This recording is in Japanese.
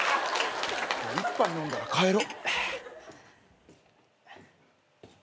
１杯飲んだら帰ろ。